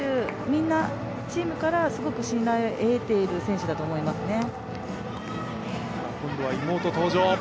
みんな、チームからすごく信頼を得ている選手だと思いますね。